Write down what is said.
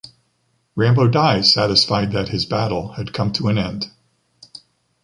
Rambo dies satisfied that his battle had come to an end.